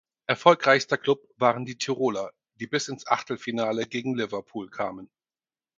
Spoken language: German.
Erfolgreichster Klub waren die Tiroler, die bis ins Achtelfinale gegen Liverpool kamen.